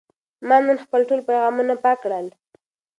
ما نن خپل ټول پیغامونه پاک کړل.